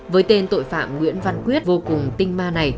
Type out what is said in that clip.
với tên tội phạm nguyễn văn quyết vô cùng tinh ma này